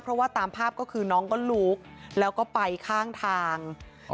เพราะว่าตามภาพก็คือน้องก็ลุกแล้วก็ไปข้างทาง